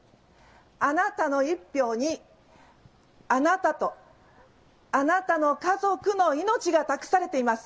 あなたの１票にあなたとあなたの家族の命が託されています。